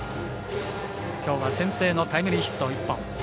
きょうは先制のタイムリーヒット１本。